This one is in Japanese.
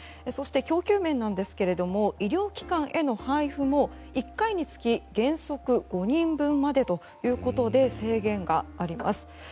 そして、供給面なんですが医療機関への配布も１回につき原則５人分までということで制限があります。